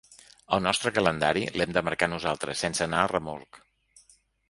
El nostre calendari l’hem de marcar nosaltres sense anar a remolc.